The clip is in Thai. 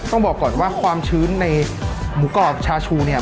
ต้องบอกก่อนว่าความชื้นในหมูกรอบชาชูเนี่ย